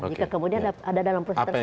jika kemudian ada dalam proses tersebut